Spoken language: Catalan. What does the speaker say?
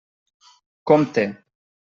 Compte.